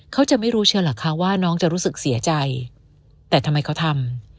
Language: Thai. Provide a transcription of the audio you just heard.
เขาจะไม่รู้เชียวเหรอคะว่าน้องจะรู้สึกเสียใจแต่ทำไมเขาทำ